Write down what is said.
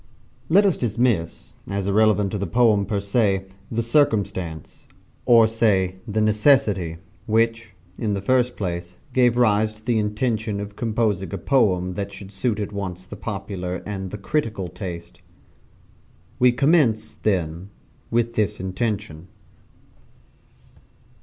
Let us dismiss, as irrelevant to the poem, per se, the circumstance or say the necessity which, in the first place, gave rise to the intention of composing a poem that should suit at once the popular and the critical taste. We commence, then, with this intention.